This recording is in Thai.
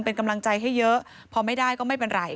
เป็นกำลังใจให้เยอะพอไม่ได้ก็ไม่เป็นไร